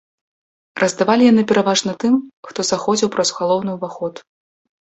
Раздавалі яны пераважна тым, хто заходзіў праз галоўны ўваход.